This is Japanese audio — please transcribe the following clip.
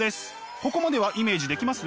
ここまではイメージできます？